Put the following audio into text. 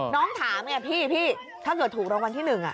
น้องถามไงพี่พี่ถ้าเกิดถูกรางวัลที่๑